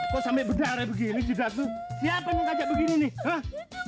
kok sampai beda kayak begini juga tuh siapa yang kajak begini nih